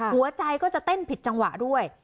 หัวใจก็จะเต้นผิดจังหวะด้วย